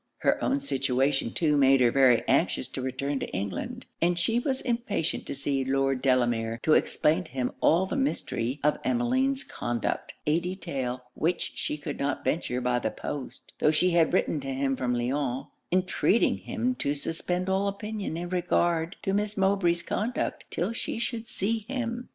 Her own situation too made her very anxious to return to England; and she was impatient to see Lord Delamere, to explain to him all the mystery of Emmeline's conduct; a detail which she could not venture by the post, tho' she had written to him from Lyons, intreating him to suspend all opinion in regard to Miss Mowbray's conduct 'till she should see him.